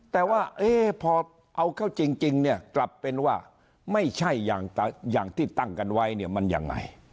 แต่ว่าพอเอาเข้าจริงเนี่ยกลับเป็นว่าไม่ใช่อย่างที่ตั้งกันไว้เนี่ยมันยังไง